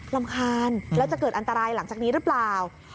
รำคาญแล้วจะเกิดอันตรายหลังจากนี้หรือเปล่า